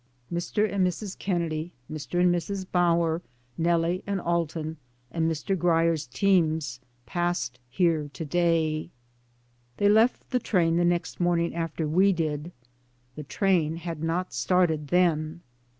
Mr. and Mrs. Kennedy, Mr. and Mrs. Bower, Nellie and Alton, and Mr. Grier's teams passed here to day. They left the train the next morning after we did. The train had not started then.